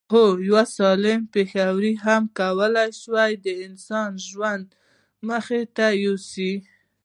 هو یو سالم پښتورګی هم کولای شي د انسان ژوند مخ ته یوسي